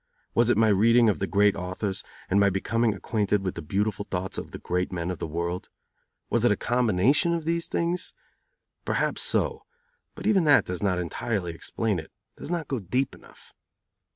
Was it my reading of the great authors, and my becoming acquainted with the beautiful thoughts of the great men of the world? Was it a combination of these things? Perhaps so, but even that does not entirely explain it, does not go deep enough.